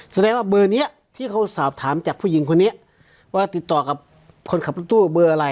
แสดงว่าเบอร์นี้ที่เขาสอบถามจากผู้หญิงคนนี้ว่าติดต่อกับคนขับรถตู้เบอร์อะไร